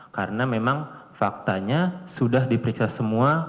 karena memang faktanya sudah diperiksa semua